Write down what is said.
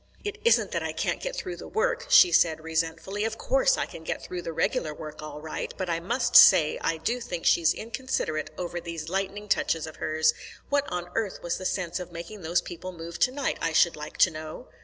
"It isn't that I can't get through the work," she said resentfully. "Of course I can get through the regular work all right. But I must say, I do think she's inconsiderate over these lightning touches of hers. What on earth was the sense of making those people move tonight, I should like to know?"